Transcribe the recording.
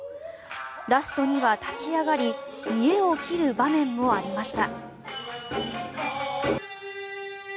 ラストには立ち上がり見えを切る場面もありました。